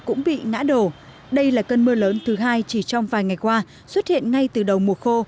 cũng bị ngã đổ đây là cơn mưa lớn thứ hai chỉ trong vài ngày qua xuất hiện ngay từ đầu mùa khô